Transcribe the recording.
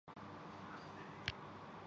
سر میں ٹھیلے پر فالودہ فروخت کرتا ہوں